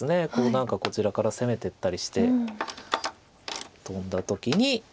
何かこちらから攻めていったりしてトンだ時に。